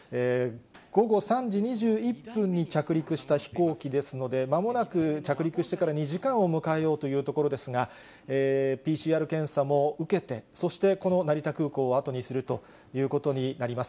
午後３時２１分に着陸した飛行機ですので、まもなく着陸してから２時間を迎えようというところですが、ＰＣＲ検査も受けて、そしてこの成田空港を後にするということになります。